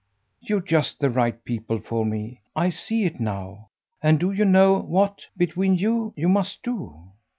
You're just the right people for me I see it now; and do you know what, between you, you must do?"